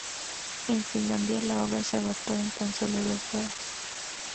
En Finlandia, la obra se agotó en tan solo dos horas.